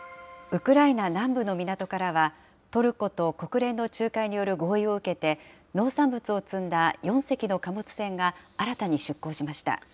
ウクライナ南部の港からは、トルコと国連の仲介による合意を受けて、農産物を積んだ４隻の貨物船が新たに出港しました。